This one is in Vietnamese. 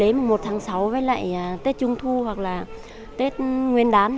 đến mùa một tháng sáu với lại tết trung thu hoặc là tết nguyên đán